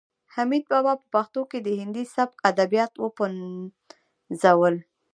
حمید بابا په پښتو کې د هندي سبک ادبیات وپنځول.